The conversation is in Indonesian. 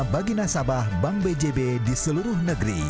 bagi nasabah bank bjb di seluruh negeri